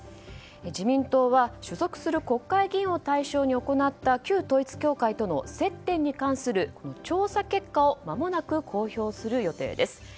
自民党は所属する国会議員を対象に行った旧統一教会との接点に関する調査結果をまもなく公表する予定です。